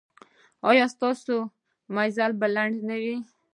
ایا ستاسو مزل به لنډ نه وي؟